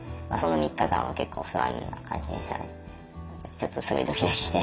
ちょっとすごいドキドキして。